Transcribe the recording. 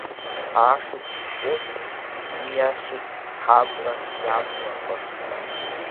Ашықәс ҿыц ииасит ҳабла иамбакәа…